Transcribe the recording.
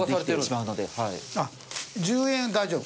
１０円大丈夫。